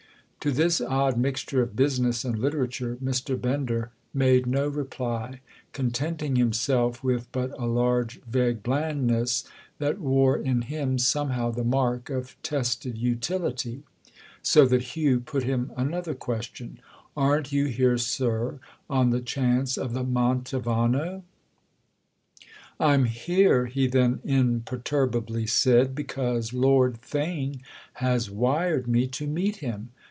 To this odd mixture of business and literature Mr. Bender made no reply, contenting himself with but a large vague blandness that wore in him somehow the mark of tested utility; so that Hugh put him another question: "Aren't you here, sir, on the chance of the Mantovano?" "I'm here," he then imperturbably said, "because Lord Theign has wired me to meet him.